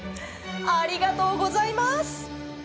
ありがとうございます！